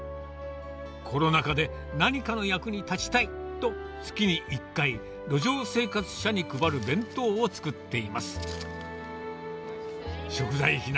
コロナ禍で何かの役に立ちたいと、月に１回、路上生活者に配る弁当を作っています。